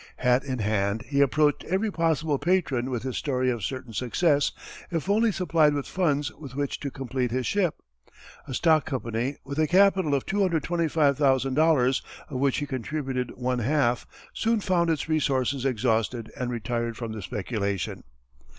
Hat in hand he approached every possible patron with his story of certain success if only supplied with funds with which to complete his ship. A stock company with a capital of $225,000 of which he contributed one half, soon found its resources exhausted and retired from the speculation.